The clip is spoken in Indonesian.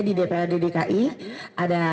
di dprd dki ada